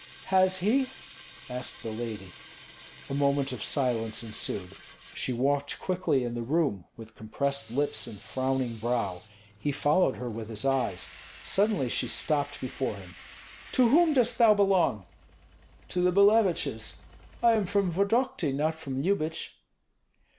"Has he?" asked the lady. A moment of silence ensued. She walked quickly in the room, with compressed lips and frowning brow. He followed her with his eyes. Suddenly she stopped before him. "To whom dost thou belong?" "To the Billeviches. I am from Vodokty, not from Lyubich."